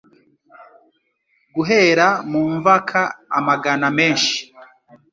Guhera mu mvaka amagana menshi,